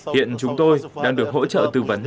hiện chúng tôi đang được hỗ trợ tư vấn